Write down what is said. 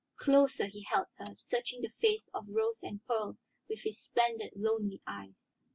Closer he held her, searching the face of rose and pearl with his splendid, lonely eyes.